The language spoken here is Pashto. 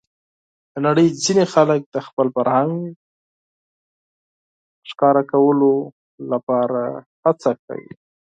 د نړۍ ځینې خلک د خپل فرهنګ معرفي کولو لپاره هڅه کوي.